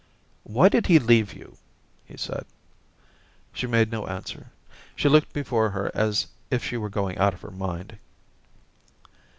* Why did he leave you }' he said. She made no answer; she looked before her as if she were going out of .her mind.